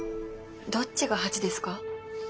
どっちが８ですか？